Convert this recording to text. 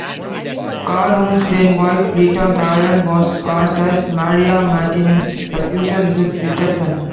Calhoun's then wife, Lita Baron, was cast as Maria Martinez, the future Mrs. Richardson.